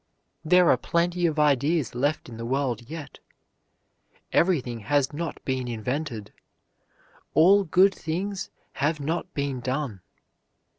There are plenty of ideas left in the world yet. Everything has not been invented. All good things have not been done.